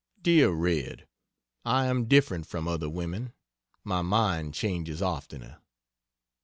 DEAR RED, I am different from other women; my mind changes oftener.